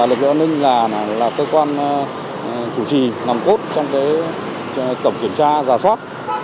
lực lượng an ninh là cơ quan chủ trì nòng cốt trong tổng kiểm tra giả soát